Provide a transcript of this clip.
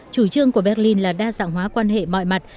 chủ trương của berlin là đa dạng hóa quan hệ mọi mặt